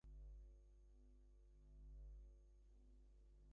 Upon listening to it, he made one comment: Great, but where's the audience?